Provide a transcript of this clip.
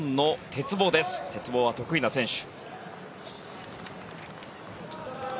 鉄棒は得意な選手。